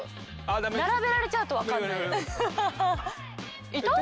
並べられちゃうとわからない。